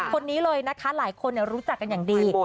คนนี้เลยนะคะหลายคนรู้จักกันอย่างดี